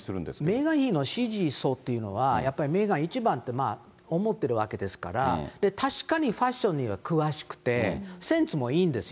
メーガン妃の支持層っていうのは、やっぱりメーガン一番って思ってるわけですから、確かにファッションには詳しくて、センスもいいんですよ。